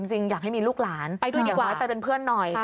จริงอยากให้มีลูกหลานไปด้วยดีกว่าให้ไปเป็นเพื่อนหน่อย